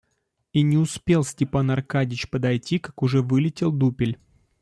И не успел Степан Аркадьич подойти, как уж вылетел дупель.